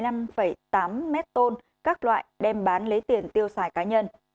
mét tôn các loại đem bán lấy tiền tiêu xài cá nhân